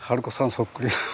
そっくりだ。